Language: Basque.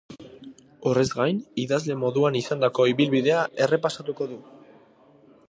Horrez gain, idazle moduan izandako ibilbidea errepasatuko du.